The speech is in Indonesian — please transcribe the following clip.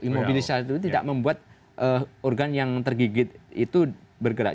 imobilisasi itu tidak membuat organ yang tergigit itu bergerak